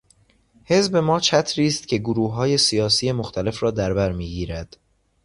حزب ما چتری است که گروههای سیاسی مختلف را در برمیگیرد.